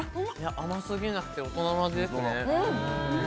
甘すぎなくて大人の味ですね。